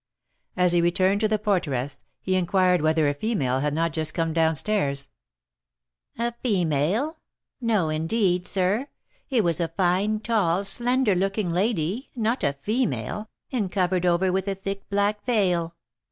As he returned to the porteress, he inquired whether a female had not just come down stairs. "A female! No indeed, sir, it was a fine, tall, slender looking lady, not a female, and covered over with a thick black veil.